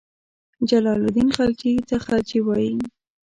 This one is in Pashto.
جلال الدین خلجي ته غلجي وایي.